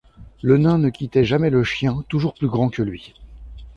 Le nain ne quittait jamais le chien, toujours plus grand que lui.